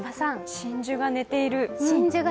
真珠が寝ている。